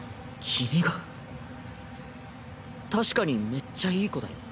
確かにめっちゃいい子だよ。